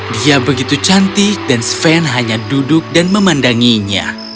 dia begitu cantik dan sven hanya duduk dan memandanginya